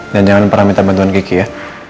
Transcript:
dan jangan pernah minta bantuan kiki ya